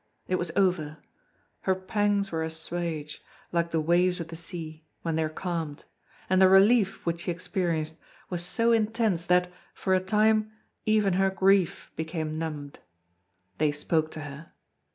It was over; her pangs were assuaged, like the waves of the sea, when they are calmed; and the relief which she experienced was so intense that, for a time, even her grief became numbed. They spoke to her.